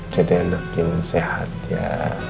jadi anak yang sehat ya